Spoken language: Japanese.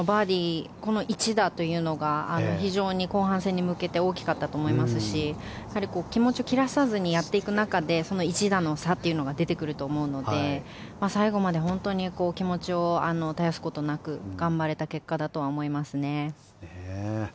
最後のバーディーこの一打が後半戦に向けて大きかったと思いますし気持ちを切らずにやっていく中で１打の差というのが出てくると思うので最後まで気持ちを絶やすことなく頑張れた結果だと思います。